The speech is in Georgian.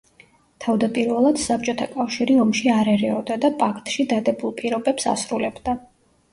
თავდაპირველად საბჭოთა კავშირი ომში არ ერეოდა და პაქტში დადებულ პირობებს ასრულებდა.